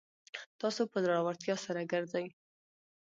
تاسو په زړورتیا سره ګرځئ